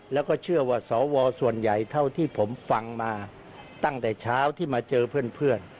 แล้วก็เชื่อว่าสวส่วนใหญ่เท่าที่ผมฟังมาตั้งแต่เช้าที่มาเจอเพื่อน